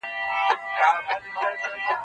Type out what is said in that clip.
ايا ته موبایل کاروې،